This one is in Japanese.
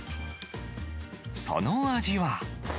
その味は。